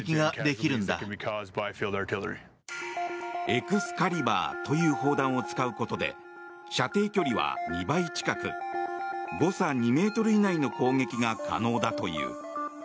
エクスカリバーという砲弾を使うことで射程距離は２倍近く誤差２ｍ以内の攻撃が可能だという。